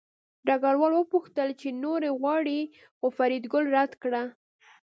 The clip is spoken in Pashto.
ډګروال وپوښتل چې نورې غواړې خو فریدګل رد کړه